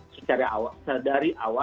secara dari awal menyadari bahwa